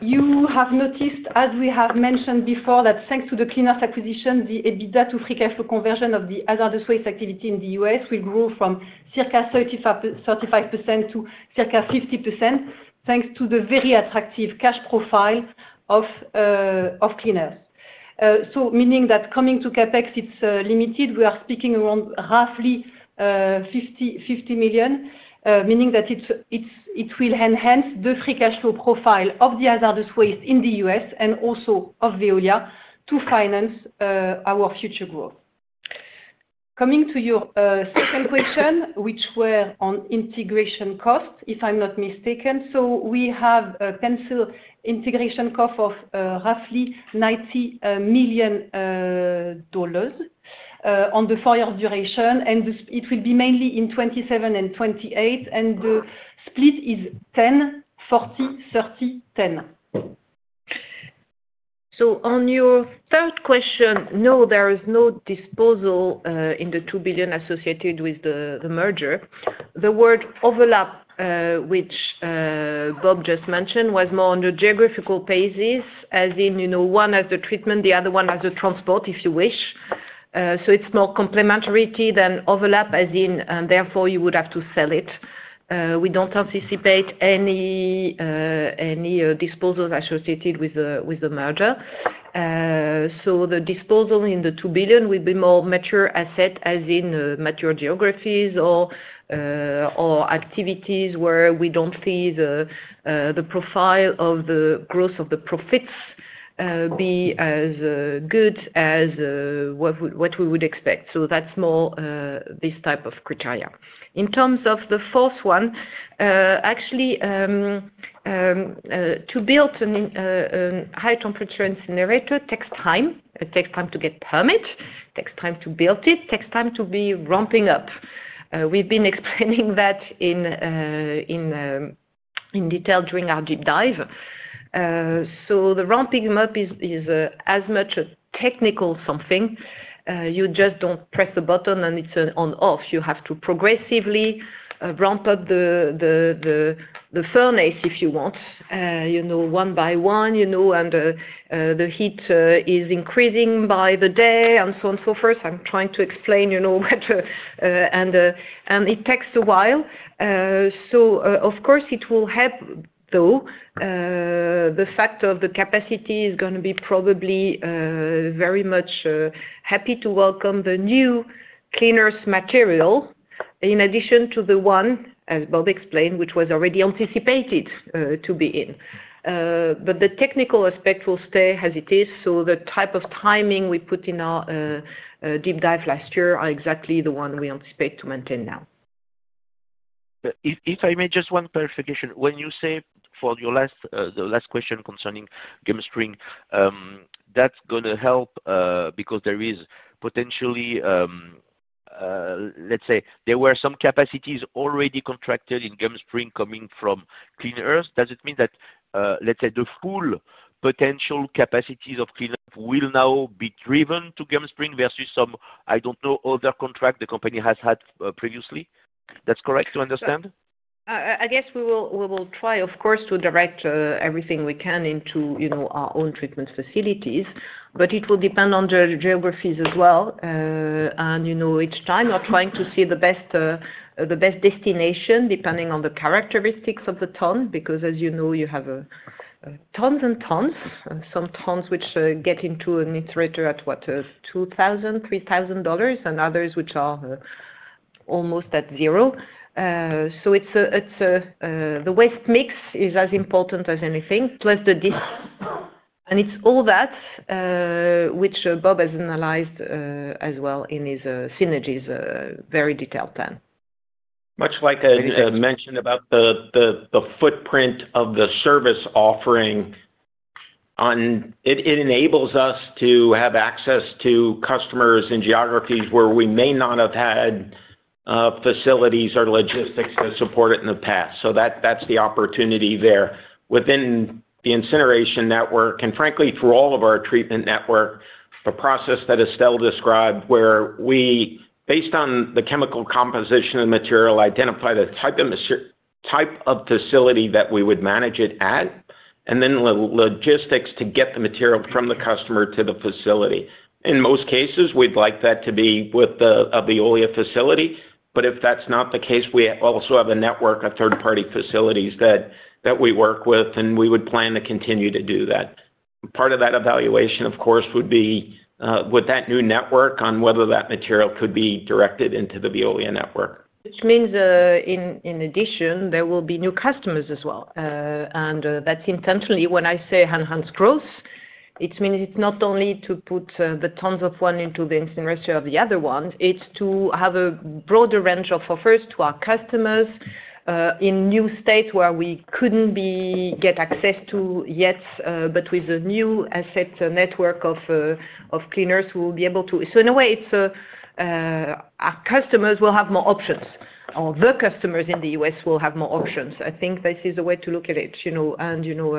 You have noticed as we have mentioned before, that thanks to the Clean Earth acquisition, the EBITDA to free cash flow conversion of the hazardous waste activity in the U.S. will grow from circa 35% to circa 50% thanks to the very attractive cash profile of Clean Earth. Meaning that coming to CapEx it is limited, we are speaking around roughly $50 million. Meaning that it will enhance the free cash flow profile of the hazardous waste in the U.S. and also of Veolia to finance our future growth. Coming to your second question, which were on integration costs if I am not mistaken. We have a pencil integration cost of roughly $90 million on the four year duration and it will be mainly in 2027 and 2028 and the split is 10, 40, 30, 10. On your third question. No, there is no disposal in the $2 billion associated with the merger. The word overlap, which Bob just mentioned, was more on the geographical basis. As in, you know, one has the treatment, the other one has a transport if you wish. It is more complementary than overlap as in, and therefore you would have to sell it. We do not anticipate any disposals associated with the merger. The disposal in the $2 billion will be more mature asset, as in mature geographies or activities where we do not see the profile of the growth of the profits be as good as what we would expect. That is more this type of criteria. In terms of the fourth one, actually, to build a high temperature incinerator takes time. It takes time to get permit, takes time to build. It takes time to be ramping up. We've been explaining that in detail during our deep dive. The ramping up is as much a technical something. You just don't press the button and it's an on off. You have to progressively ramp up the furnace if you want, you know, one by one, you know, and the heat is increasing by the day and so on, so forth. I'm trying to explain, you know, and it takes a while. Of course it will help. Though the fact of the capacity is going to be probably very much happy to welcome the new Clean Earth's material in addition to the one, as Bob explained, which was already anticipated to be in. The technical aspect will stay as it is. The type of timing we put in our deep dive last year. Are exactly the one we anticipate to maintain. Now, if I may, just one clarification. When you say for your last, the last question concerning Gum Springs, that's going to help because there is potentially, let's say, there were some capacities already contracted in Gum Springs coming from Clean Earth. Does it mean that, let's say, the full potential capacities of Clean Earth will now be driven to Gum Springs versus some, I don't know, other contracts the company has had previously? That's correct. To understand? I guess we will try, of course, to direct everything we can into our own treatment facilities. It will depend on geographies as well. Each time, we are trying to see the best destination, depending on the characteristics of the ton. Because, as you know, you have tons and tons. Some tons which get into an incinerator at, what, $2,000, $3,000, and others which are almost at zero. The waste mix is as important as anything. Plus, it's all that which Bob has analyzed as well in his synergies very detailed plan. Much like I mentioned about the footprint of the service offering. It enables us to have access to customers in geographies where we may not have had facilities or logistics to support it in the past. That is the opportunity there within the incineration network and frankly through all of our treatment networks, the process that Estelle described where we, based on the chemical composition of material, identify the type of facility that we would manage it at and then logistics to get the material from the customer to the facility. In most cases we'd like that to be with a Veolia facility, but if that's not the case, we also have a network of third party facilities that we work with and we would plan to continue to do that. Part of that evaluation of course would be with that new network on whether that material could be directed into the Veolia network. Which means in addition there will be new customers as well. That is intentionally. When I say enhanced growth, it means it is not only to put the tonnes of one into the instant ratio of the other one. It is to have a broader range of offers to our customers in new states where we could not get access to yet, but with a new asset network of Clean Earth we will be able to. In a way, our customers will have more options or the customers in the U.S. will have more options. I think this is a way to look at it, you know. You know,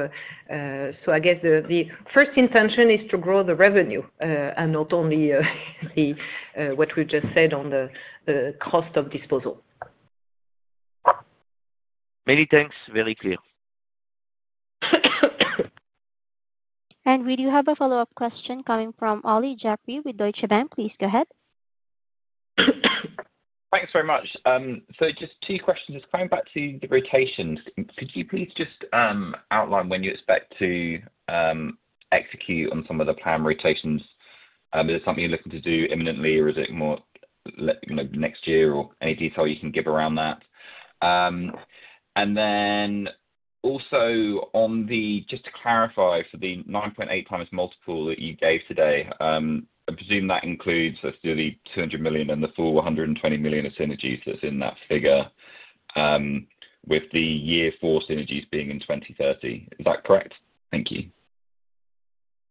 I guess the first intention is to grow the revenue and not only what we have just said on the cost of disposal. Many thanks, very clear. We do have a follow up question coming from Olly Jeffery with Deutsche Bank. Please go ahead. Thanks very much. Just two questions coming back to the rotations. Could you please just outline when you expect to execute on some of the plan rotations? Is it something you're looking to do imminently or is it more next year or any detail you can give around that? Also, just to clarify, for the 9.8x multiple that you gave today, I presume that includes the $200 million and the full $120 million of synergies that's in that figure with the year four synergies being in 2030, is that correct? Thank you.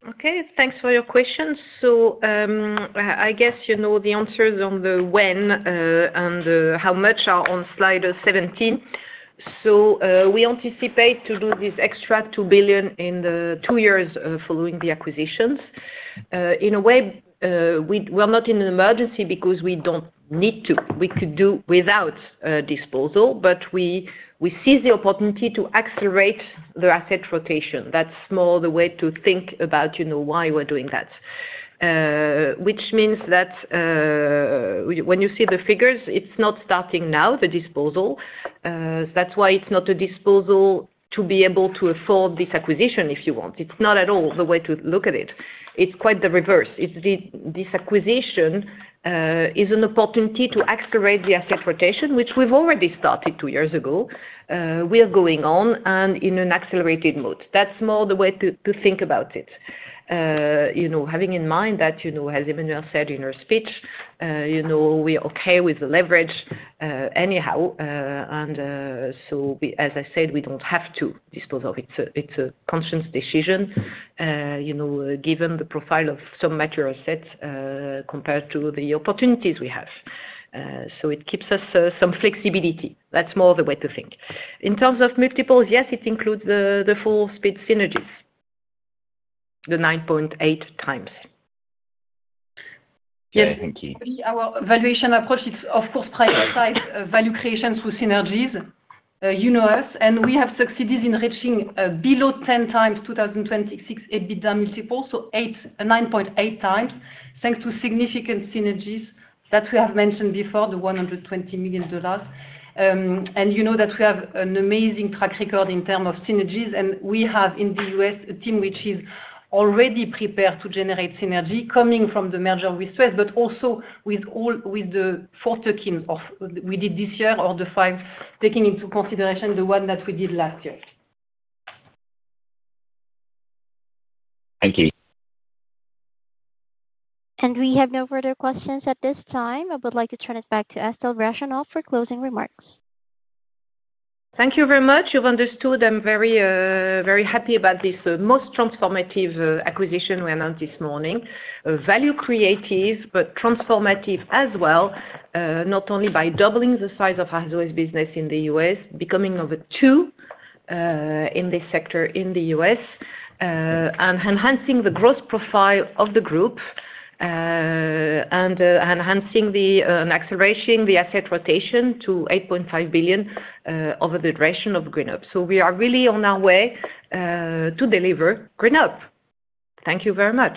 Okay, thanks for your question. I guess you know the answers on the when and the how much are on slide 17. We anticipate to do this extra $2 billion in the two years following the acquisitions. In a way we're not in an emergency because we don't need to. We could do without disposal, but we seize the opportunity to accelerate the asset rotation. That's more the way to think about why we're doing that. Which means that when you see the figures, it's not starting now, the disposal. That's why it's not a disposal to be able to afford this acquisition if you want. It's not at all the way to look at it. It's quite the reverse. This acquisition is an opportunity to accelerate the asset rotation, which we've already started two years ago. We are going on and in an accelerated mood. That's more the way to think about, you know, having in mind that, you know, as Emmanuelle said in her speech, you know, we are okay with the leverage anyhow. As I said, we do not have to dispose of it. It's a conscious decision, you know, given the profile of some material sets compared to the opportunities we have. It gives us some flexibility. That's more the way to think in terms of multiples. Yes, it includes the full speed synergies, the 9.8x. Our valuation approach is of course prioritize value creation through synergies. You know, us, and we have succeeded in reaching below 10x 2026 EBITDA multiple, so 8x, 9.8x. Thanks to significant synergies that we have mentioned before. The $120 million. You know that we have an amazing track record in terms of synergies. We have in the U.S. a team which is already prepared to generate synergy coming from the merger with Suez, but also with all with the four tokens we did this year or the five, taking into consideration the one that we did last year. Thank you. We have no further questions at this time. I would like to turn it back to Estelle Brachlianoff for closing remarks. Thank you very much. You've understood. I'm very, very happy about this most transformative acquisition we announced this morning. Value creative, but transformative as well. Not only by doubling the size of Veolia's business in the U.S., becoming number two in this sector in the U.S., and enhancing the growth profile of the group and enhancing the acceleration of the asset management rotation to 8.5 billion over the duration of GreenUp. We are really on our way to deliver GreenUp. Thank you very much.